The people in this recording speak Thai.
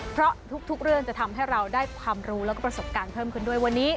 เพราะทุกเรื่องจะทำให้เราได้ความรู้แล้วก็ประสบการณ์เพิ่มขึ้นด้วยวันนี้